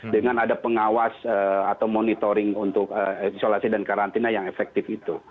dengan ada pengawas atau monitoring untuk isolasi dan karantina yang efektif itu